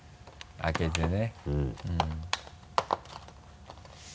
開けてね。